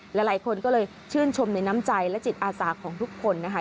หลายคนก็เลยชื่นชมในน้ำใจและจิตอาสาของทุกคนนะคะ